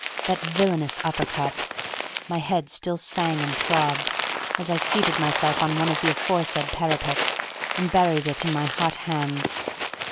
That villainous upper cut! My head still sang and throbbed, as I seated myself on one of the aforesaid parapets, and buried it in my hot hands.